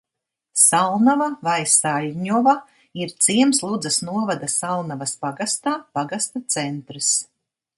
Salnava vai Saļņova ir ciems Ludzas novada Salnavas pagastā, pagasta centrs.